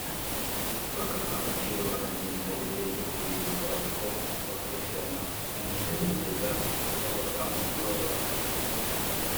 bakabaha agaciro bakagenda ibihe byo kubibuka uko bakurikirana nk’umuterekeza wakorwaga mu muco w’Abanyarwanda